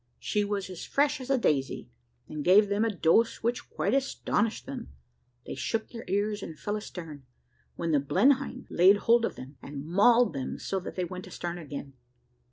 She was as fresh as a daisy, and gave them a dose which quite astonished them. They shook their ears, and fell astern, when the Blenheim laid hold of them, and mauled them so that they went astern again.